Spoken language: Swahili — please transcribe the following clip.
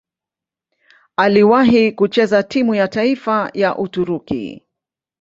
Aliwahi kucheza timu ya taifa ya Uturuki.